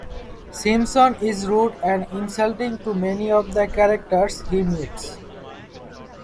Simon is rude and insulting to many of the characters he meets.